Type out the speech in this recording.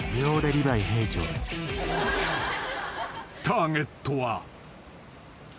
［ターゲットは］